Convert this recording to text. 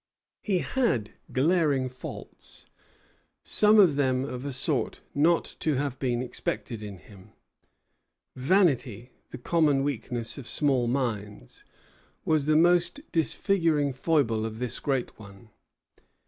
He had glaring faults, some of them of a sort not to have been expected in him. Vanity, the common weakness of small minds, was the most disfiguring foible of this great one.